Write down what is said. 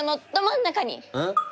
ん？